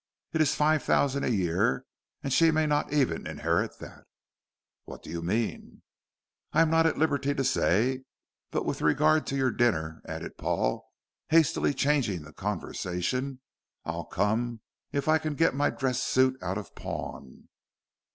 It is five thousand a year, and she may not even inherit that." "What do you mean?" "I am not at liberty to say. But with regard to your dinner," added Paul, hastily changing the conversation, "I'll come if I can get my dress suit out of pawn."